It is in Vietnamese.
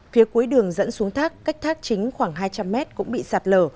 phía cuối đường dẫn xuống thác cách thác chính khoảng hai trăm linh mét cũng bị sạt lở